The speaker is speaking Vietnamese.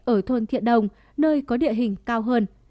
ở thôn thiện đồng nơi có địa hình cao hơn